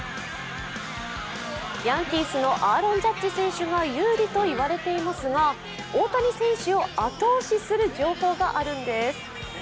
ヤンキースのアーロン・ジャッジ選手が有利といわれていますが大谷選手を後押しする情報があるんです。